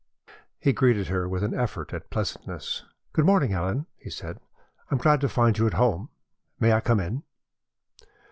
He greeted her with an effort at pleasantness. "Good morning, Ellen," he said. "I am glad to find you at home. May I come in?"